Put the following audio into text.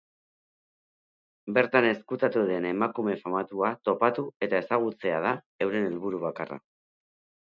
Bertan ezkutatu den emakume famatua topatu eta ezagutzea da euren helburu bakarra.